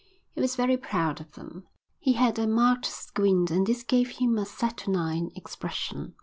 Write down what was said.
He was very proud of them. He had a marked squint and this gave him a saturnine expression.